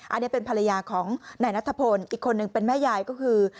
อันนี้เป็นภรรยาของนายนัทพลอีกคนหนึ่งเป็นแม่ยายก็คือ